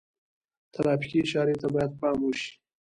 ترافیکي اشارې ته باید پام وشي.